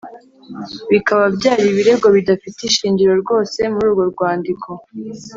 bikaba byari ibirego bidafite ishingiro rwose Muri urwo rwandiko